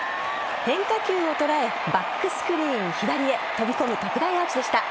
変化球を捉えバックスクリーン左へ飛び込む特大アーチでした。